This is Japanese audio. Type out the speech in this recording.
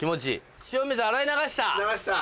塩水洗い流した。